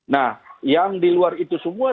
nah yang di luar itu semua